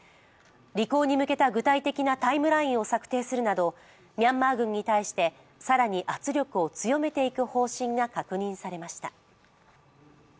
履行に向けた具体的なタイムラインを策定するなどミャンマー軍に対して更に圧力を強めていく方針が確認されました。